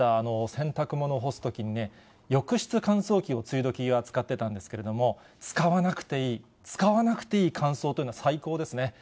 洗濯物を干すときに、浴室乾燥機を梅雨どきは使ってたんですけれども、使わなくていい、使わなくていい乾燥というのは最高ですね。